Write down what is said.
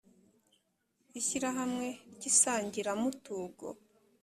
ishyirahamwe ry isangiramutugo